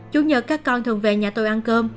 chủ nhật các con thường về nhà tôi ăn cơm